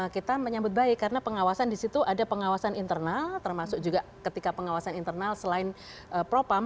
kita menyambut baik karena pengawasan di situ ada pengawasan internal termasuk juga ketika pengawasan internal selain propam